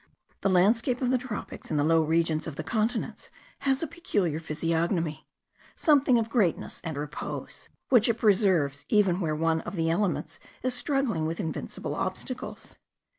The landscape of the tropics in the low regions of the continents has a peculiar physiognomy, something of greatness and repose, which it preserves even where one of the elements is struggling with invincible obstacles.